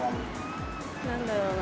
何だろうな？